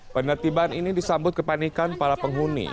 penertiban ini disambut kepanikan para penghuni